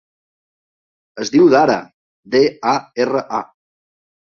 Es diu Dara: de, a, erra, a.